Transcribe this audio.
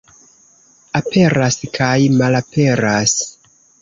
Aperas kaj malaperas.